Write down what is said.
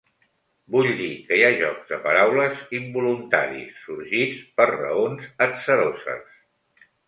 Vull dir que hi ha jocs de paraules involuntaris, sorgits per raons atzaroses.